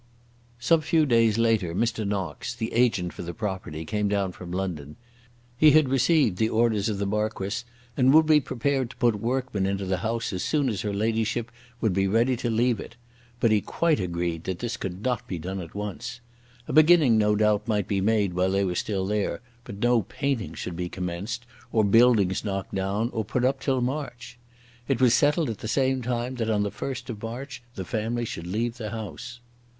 Some few days later Mr. Knox, the agent for the property, came down from London. He had received the orders of the Marquis, and would be prepared to put workmen into the house as soon as her ladyship would be ready to leave it. But he quite agreed that this could not be done at once. A beginning no doubt might be made while they were still there, but no painting should be commenced or buildings knocked down or put up till March. It was settled at the same time that on the first of March the family should leave the house.